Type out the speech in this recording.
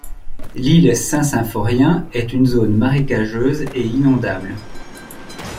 L’île Saint-Symphorien est une zone marécageuse et inondable.